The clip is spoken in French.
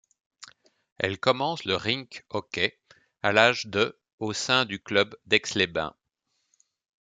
Elle commence le rink hockey à l'âge de au sein du club d'Aix-les-Bains.